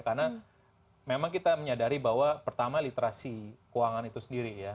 karena memang kita menyadari bahwa pertama literasi keuangan itu sendiri ya